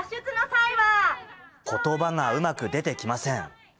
ことばがうまく出てきません。